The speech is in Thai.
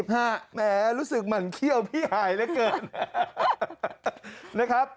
๑๕๒๕แหมรู้สึกหมั่นเขี้ยวพี่หายเหลือเกิน